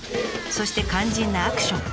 そして肝心なアクション。